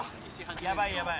やばいやばい。